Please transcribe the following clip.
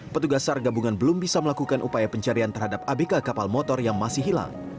petugas sar gabungan belum bisa melakukan upaya pencarian terhadap abk kapal motor yang masih hilang